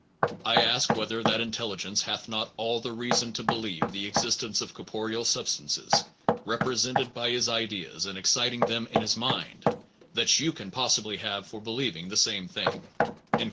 I ask whether that intelligence hath not all the reason to be lieve the existence of corporeal substances, represented by his ideas, and exciting them in his mind, that you can possibly have for be lieving the same thing.